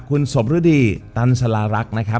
คุณสมฤดีตันสลารักษ์นะครับ